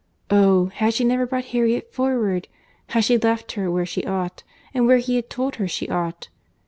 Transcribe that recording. Oh! had she never brought Harriet forward! Had she left her where she ought, and where he had told her she ought!